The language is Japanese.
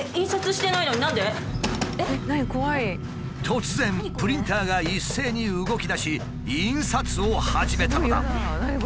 突然プリンターが一斉に動きだし印刷を始めたのだ。